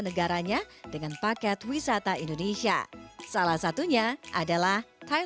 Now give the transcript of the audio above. pada saat ini kita sudah melakukan pemeriksaan dan mencari penyelenggaraan yang lebih baik